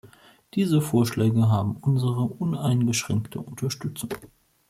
Diese Vorschläge haben unsere uneingeschränkte Unterstützung.